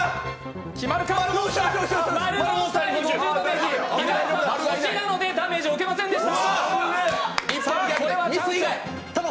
自分の星なのでダメージを受けませんでした。